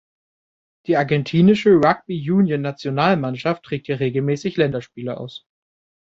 Die Argentinische Rugby-Union-Nationalmannschaft trägt hier regelmäßig Länderspiele aus.